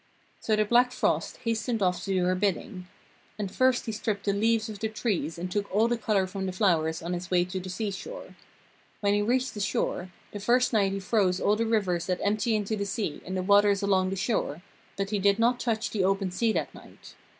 So the Black frost hastened off to do her bidding. And first he stripped the leaves off the trees and took all the colour from the flowers on his way to the seashore. When he reached the shore, the first night he froze all the rivers that empty into the sea and the waters along the shore, but he did not touch the open sea that night.